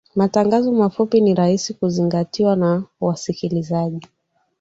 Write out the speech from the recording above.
matangazo mafupi ni rahisi kuzingatiwa na wasikilizaji